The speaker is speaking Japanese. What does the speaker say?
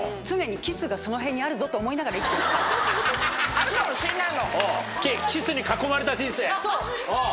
あるかもしれないもん。